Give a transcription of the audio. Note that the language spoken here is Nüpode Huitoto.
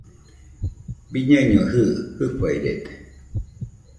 Biñaino jɨɨ, fɨfairede